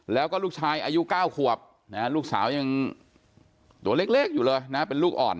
แล้วก็ลูกชายอายุ๙ขวบลูกสาวยังตัวเล็กอยู่เลยนะเป็นลูกอ่อน